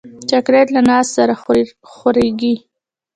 چاکلېټ له ناز سره خورېږي.